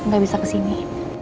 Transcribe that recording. gak bisa kesini